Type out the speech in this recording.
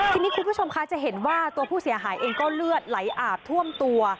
ทีนี้คุณผู้ชมคะจะเห็นว่าตัวผู้เสียหายเองก็เลือดไหลอาบท่วมตัว